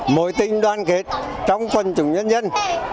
mối tinh đoàn kết trong quân chủ nhân dân